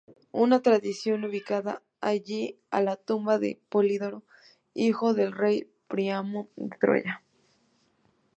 Una tradición ubicaba allí la tumba de Polidoro, hijo del rey Príamo de Troya.